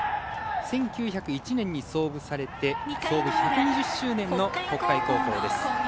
１９０１年に創部されて創部１２０周年の北海高校です。